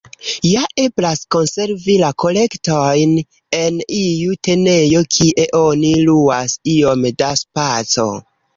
Ja eblas konservi la kolektojn en iu tenejo kie oni luas iom da spaco.